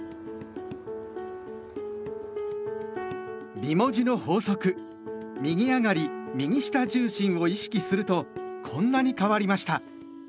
美文字の法則「右上がり右下重心」を意識するとこんなに変わりました。